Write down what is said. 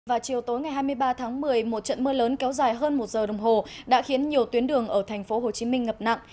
và chiều tối ngày hai mươi ba tháng một mươi một trận mưa lớn kéo dài hơn một giờ đồng hồ đã khiến nhiều tuyến đường ở thành phố hồ chí minh ngập nặng